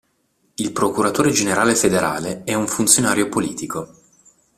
Il Procuratore Generale Federale è un funzionario politico.